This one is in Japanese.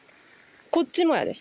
こっちもやで。